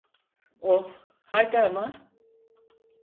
Oh, haydi ama.